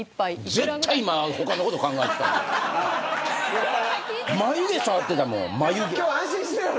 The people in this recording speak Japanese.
絶対今、他のこと考えてたやろ。